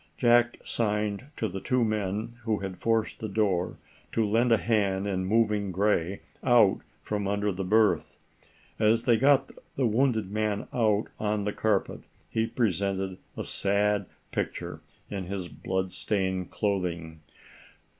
Jack signed to the two men who had forced the door to lend a hand in moving Gray out from under the berth. As they got the wounded man out on the carpet he presented a sad picture in his bloodstained clothing.